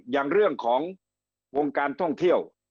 อย่างเรื่องของวงการท่องเที่ยว